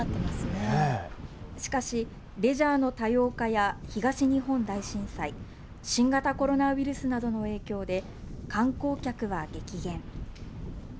しかし、レジャーの多様化や東日本大震災、新型コロナウイルスなどの影響で、観光客は激減。